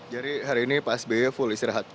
jadi hari ini pak sby full istirahat